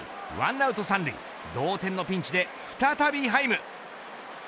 １アウト三塁、同点のピンチで再びハイム。